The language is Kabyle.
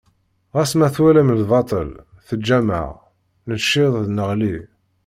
Ɣas ma twalam d lbaṭel, teǧǧam-aɣ, necceḍ neɣli.